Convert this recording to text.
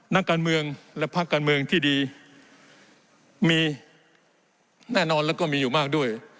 นักการเมืองและพักการเมืองที่ดีมีแน่นอนแล้วก็มีอยู่มากด้วย